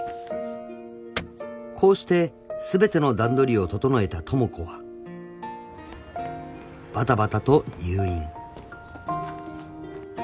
［こうして全ての段取りを整えた智子はバタバタと入院］